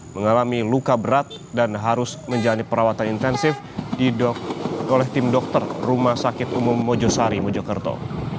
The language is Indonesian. mengalami luka berat dan harus menjalani perawatan intensif oleh tim dokter rumah sakit umum mojosari mojokerto